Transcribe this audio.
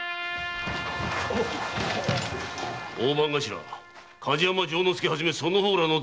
大番頭・梶山丈之介をはじめその方らの罪状明白！